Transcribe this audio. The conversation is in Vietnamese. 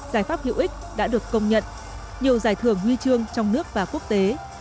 giải pháp hữu ích đã được công nhận nhiều giải thưởng huy chương trong nước và quốc tế